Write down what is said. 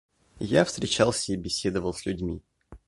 Я встречался и беседовал с людьми.